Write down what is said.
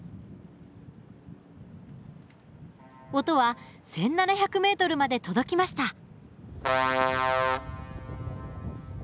音は１，７００ｍまで届きました。